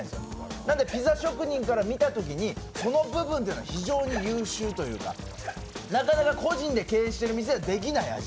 なのでピザ職人から見たときにこの部分は非常に優秀というかなかなか個人で経営している店はできない味。